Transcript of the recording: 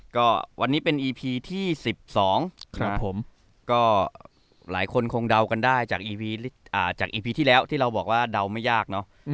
ก็วันนี้เป็นอีพีที่๑๒ครับผมก็หลายคนคงเดากันได้จากอีพีที่แล้วที่เราบอกว่าเดาไม่ยากเนอะ